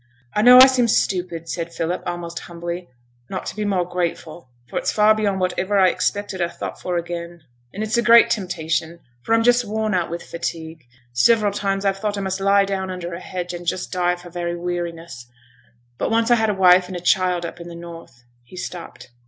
'I know I seem stupid,' said Philip, almost humbly, 'not to be more grateful, for it's far beyond what I iver expected or thought for again, and it's a great temptation, for I'm just worn out with fatigue. Several times I've thought I must lie down under a hedge, and just die for very weariness. But once I had a wife and a child up in the north,' he stopped.